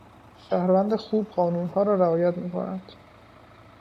شهروند خوب قانونها را رعایت میکند.